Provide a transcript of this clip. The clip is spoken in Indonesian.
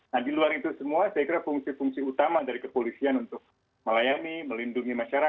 nah di luar itu semua saya kira fungsi fungsi utama dari kepolisian adalah untuk memastikan keamanan dan ketertiban masyarakat secara umum